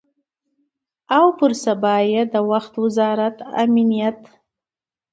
او پر سبا یې د وخت وزارت امنیت